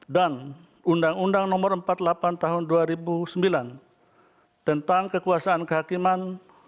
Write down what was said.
dan undang undang nomor empat puluh delapan tahun dua ribu sembilan tentang kekuasaan kehakiman